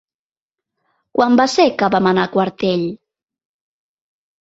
Quan va ser que vam anar a Quartell?